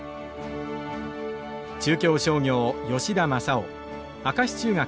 中京商業吉田正男明石中学